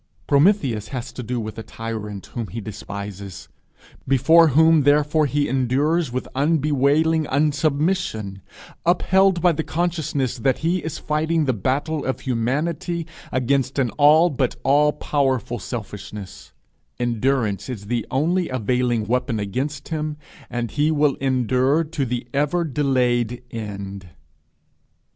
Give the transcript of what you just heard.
Prometheus has to do with a tyrant whom he despises, before whom therefore he endures with unbewailing unsubmission, upheld by the consciousness that he is fighting the battle of humanity against an all but all powerful Selfishness: endurance is the only availing weapon against him, and he will endure to the ever delayed end!